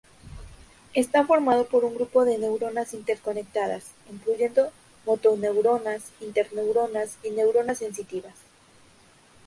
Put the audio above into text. Está formado por un grupo de neuronas interconectadas, incluyendo motoneuronas, interneuronas y neuronas sensitivas.